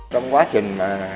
trong quá trình